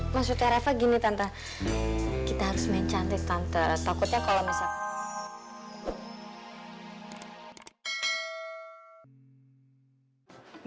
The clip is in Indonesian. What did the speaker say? maksudnya reva gini tante kita harus main cantik tante takutnya kalau misalnya